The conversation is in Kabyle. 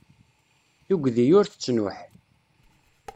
Tuggdi ur tettnuḥ.